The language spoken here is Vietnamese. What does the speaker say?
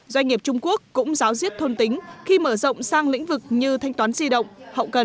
doanh nghiệp trung quốc cũng giáo diết thôn tính khi mở rộng sang lĩnh vực như thanh toán di động hậu cần